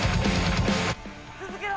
「続けろ！」